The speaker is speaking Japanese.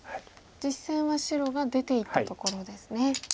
実戦は白が出ていったところですね。